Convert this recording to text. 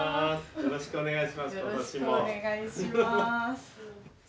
よろしくお願いします。